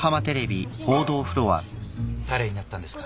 誰になったんですか？